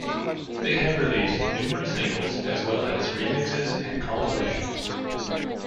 They have released numerous singles as well as remixes and compilations.